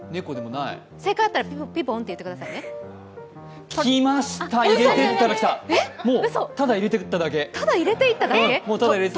正解あったらピンポンって言ってくださいね。来ました、入れていったら来た。